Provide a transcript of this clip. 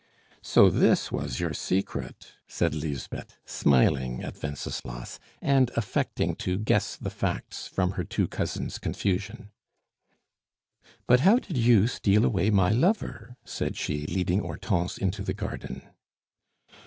"So this was your secret?" said Lisbeth, smiling at Wenceslas, and affecting to guess the facts from her two cousins' confusion. "But how did you steal away my lover?" said she, leading Hortense into the garden.